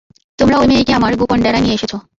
তোমরা ওই মেয়েকে আমার গোপন ডেরায় নিয়ে এসেছো।